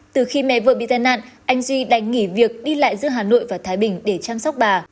từ khi mẹ vợ bị tai nạn anh duy đành nghỉ việc đi lại giữa hà nội và thái bình để chăm sóc bà